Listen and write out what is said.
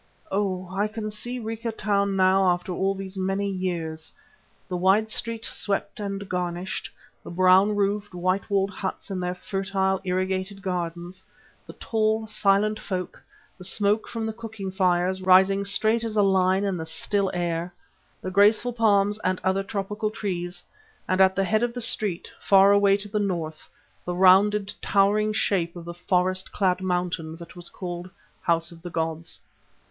Oh! I can see Rica Town now after all these many years: the wide street swept and garnished, the brown roofed, white walled huts in their fertile, irrigated gardens, the tall, silent folk, the smoke from the cooking fires rising straight as a line in the still air, the graceful palms and other tropical trees, and at the head of the street, far away to the north, the rounded, towering shape of the forest clad mountain that was called House of the Gods.